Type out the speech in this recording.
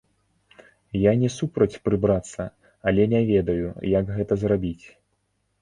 Я не супраць прыбрацца, але не ведаю, як гэта зрабіць.